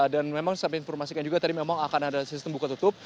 dan memang saya informasikan juga tadi memang akan ada sistem buka tutup